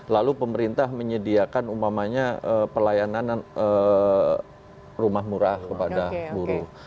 lalu pemerintah menyediakan umpamanya pelayanan rumah murah kepada buruh